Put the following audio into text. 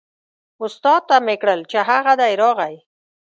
استاد ته مې کړل چې هغه دی راغی.